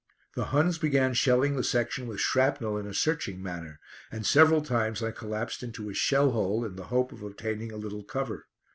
The Huns began shelling the section with shrapnel in a searching manner, and several times I collapsed into a shell hole, in the hope of obtaining a little cover.